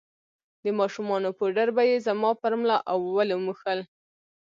د ماشومانو پوډر به يې زما پر ملا او ولو موښل.